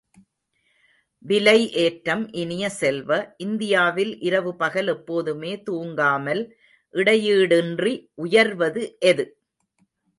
விலை ஏற்றம் இனிய செல்வ, இந்தியாவில் இரவு பகல் எப்போதுமே தூங்காமல் இடையீடின்றி உயர்வது எது?